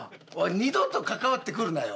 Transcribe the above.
二度と関わってくるなよ！